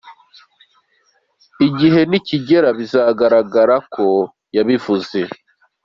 Igihe nikigera bizagaragara ko yabivuze